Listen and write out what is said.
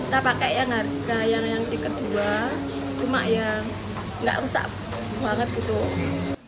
kita pakai yang harga yang di kedua cuma ya nggak rusak banget gitu